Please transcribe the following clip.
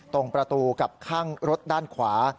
ตรงประตูกับข้างรถด้านขวา